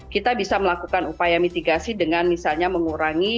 kita bisa melakukan upaya mitigasi dengan misalnya mengurangi